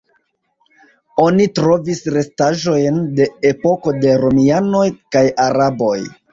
Oni trovis restaĵojn de epoko de romianoj kaj araboj.